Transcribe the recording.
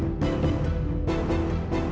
aku mau pulang